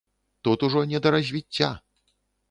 Тут ужо не да развіцця.